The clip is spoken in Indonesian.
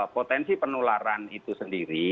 potensi penularan itu sendiri